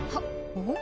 おっ！